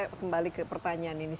saya kembali ke pertanyaan ini